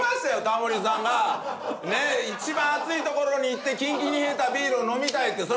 タモリさんがね一番暑い所に行ってキンキンに冷えたビールを飲みたいっていう。